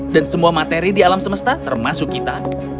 dan semua materi di alam semesta termasuk kita